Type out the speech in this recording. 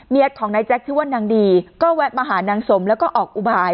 ของนายแจ๊คชื่อว่านางดีก็แวะมาหานางสมแล้วก็ออกอุบาย